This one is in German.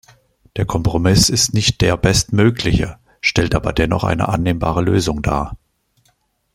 Der Kompromiss ist nicht der bestmögliche, stellt aber dennoch eine annehmbare Lösung dar.